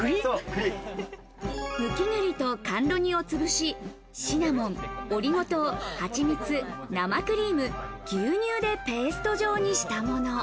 むき栗と甘露煮をつぶし、シナモン、オリゴ糖、ハチミツ、生クリーム、牛乳でペースト状にしたもの。